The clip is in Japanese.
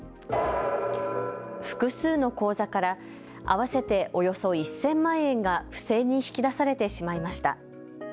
複数の口座から合わせておよそ１０００万円が不正に引き出されてしまいました。